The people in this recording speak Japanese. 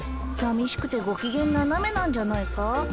さみしくてご機嫌斜めなんじゃないか？